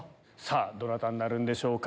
どなたになるんでしょうか？